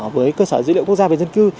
với cơ sở dữ liệu quốc gia về dân cư